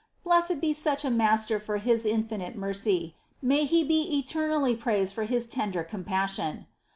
Blessed be such a Master for His infinite mercy ; may He be eternally praised for His tender compassion